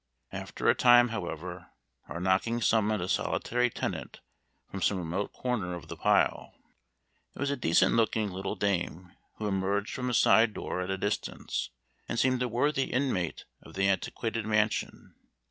After a time, however, our knocking summoned a solitary tenant from some remote corner of the pile. It was a decent looking little dame, who emerged from a side door at a distance, and seemed a worthy inmate of the antiquated mansion.